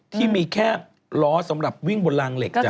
ที่มีแค่ล้อสำหรับวิ่งบนรางเหล็ก